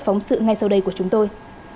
phóng sự ngay sau đây của chúng tôi